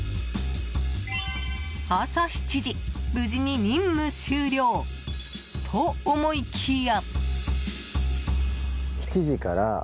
朝７時、無事に任務終了と思いきや。